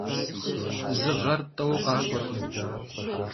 Zı ğer t'eu khak'uerkhım.